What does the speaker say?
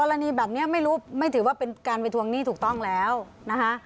แบบนี้ไม่รู้ไม่ถือว่าเป็นการไปทวงหนี้ถูกต้องแล้วนะคะ